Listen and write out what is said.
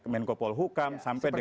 menko polhukam sampai dengan